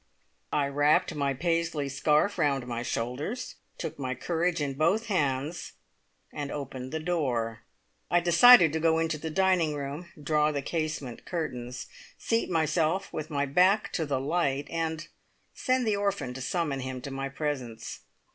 I wrapped my Paisley scarf round my shoulders, took my courage in both hands, and opened the door. I decided to go into the dining room, draw the casement curtains, seat myself with my back to the light, and send the orphan to summon him to my presence!